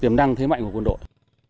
tiềm năng thế mạnh của quân đội